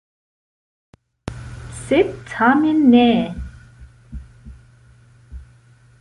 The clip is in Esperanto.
Sed tamen ne!